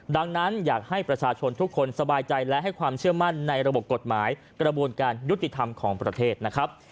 ดังนั้นอยากให้ประชาชนทุกคนสบายใจและให้ความเชื่อมั่นในระบบกฎหมายกระบวนการยุติธรรมของประเทศนะครับ